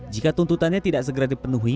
jika tuntutannya tidak segera dipenuhi